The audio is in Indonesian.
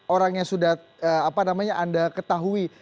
orang yang sudah apa namanya anda ketahui